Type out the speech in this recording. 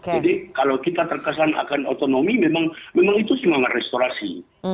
jadi kalau kita terkesan akan otonomi memang itu semangat restorasi